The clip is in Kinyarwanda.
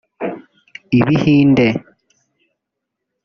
ibihinde